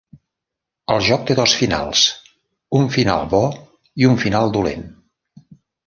El joc té dos finals: un final bo i un final dolent.